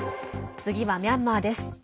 次はミャンマーです。